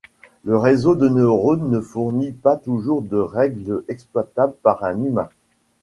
Le réseau de neurones ne fournit pas toujours de règle exploitable par un humain.